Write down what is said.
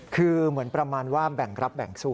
คือเหมือนประมาณว่าแบ่งรับแบ่งสู้